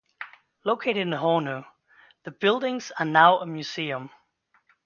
Located in Hornu, the buildings are now a museum.